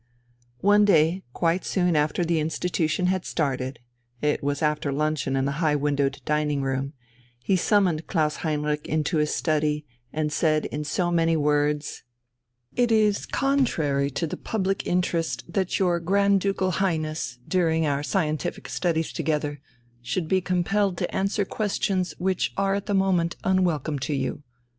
One day, quite soon after the institution had started it was after luncheon in the high windowed dining room he summoned Klaus Heinrich into his study, and said in so many words: "It is contrary to the public interest that your Grand Ducal Highness, during our scientific studies together, should be compelled to answer questions which are at the moment unwelcome to you.